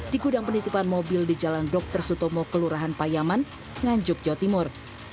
di gudang penitipan mobil di jalan dr sutomo kelurahan payaman nganjuk jawa timur